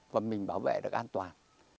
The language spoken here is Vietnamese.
và mình bảo vệ được an toàn